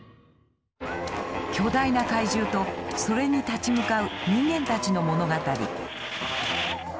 巨大な怪獣とそれに立ち向かう人間たちの物語。